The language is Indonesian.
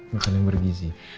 makan yang bergizi